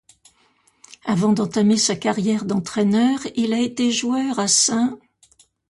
Avant d'entamer sa carrière d'entraîneur, il a été joueur à St.